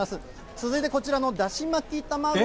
続いてこちらのだし巻き卵。